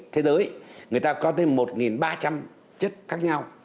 thế giới người ta có thêm một ba trăm linh chất khác nhau